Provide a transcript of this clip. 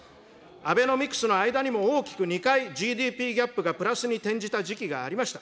アベノミクスの間にも大きく２回、ＧＤＰギャップがプラスに転じた時期がありました。